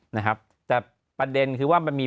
นะครับแต่ประเด็นคือว่ามันมี